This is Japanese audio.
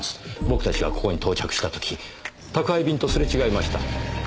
僕たちがここに到着した時宅配便とすれ違いました。